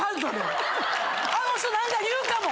あの人何か言うかも！